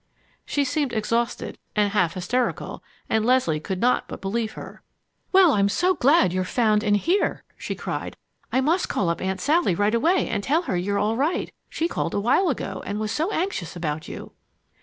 She seemed exhausted and half hysterical and Leslie could not but believe her. "Well, I'm so glad you're found and here!" she cried. "I must call up Aunt Sally right away and tell her you're all right. She called a while ago and was so anxious about you."